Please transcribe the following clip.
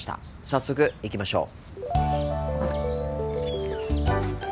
早速行きましょう。